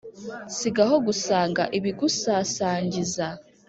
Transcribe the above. sigaho gusanga ibigusasangiza